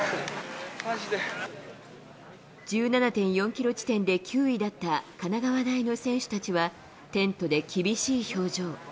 １７．４キロ地点で９位だった神奈川大の選手たちは、テントで厳しい表情。